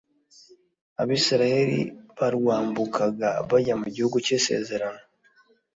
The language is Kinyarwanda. Abisirayeli barwambukaga bajya mu Gihugu cy Isezerano